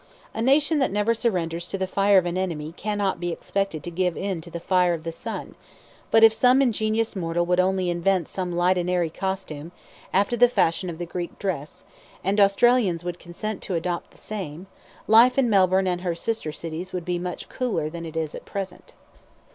A nation that never surrenders to the fire of an enemy cannot be expected to give in to the fire of the sun, but if some ingenious mortal would only invent some light and airy costume, after the fashion of the Greek dress, and Australians would consent to adopt the same, life in Melbourne and her sister cities would be much cooler than it is at present.